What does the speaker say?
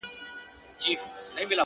بیا به هم لمبه د شمعي له سر خېژي,